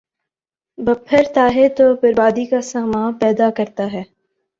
، بپھر تا ہے تو بربادی کا ساماں پیدا کرتا ہے ۔